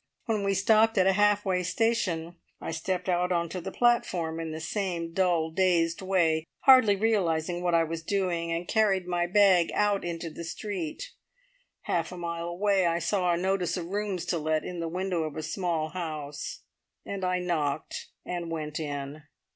When we stopped at a half way station I stepped out on to the platform in the same dull, dazed way, hardly realising what I was doing, and carried my bag out into the street. Half a mile away I saw a notice of rooms to let in the window of a small house, and I knocked and went in.